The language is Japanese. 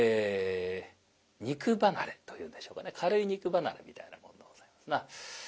肉離れというんでしょうかね軽い肉離れみたいなもんでございますな。